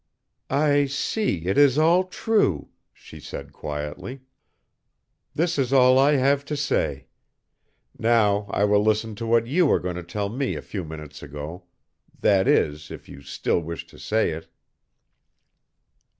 "I see it is all true," she said quietly. "This is all I have to say. Now I will listen to what you were going to tell me a few minutes ago that is, if you still wish to say it."